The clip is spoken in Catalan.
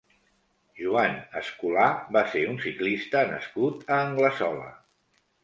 Joan Escolà va ser un ciclista nascut a Anglesola.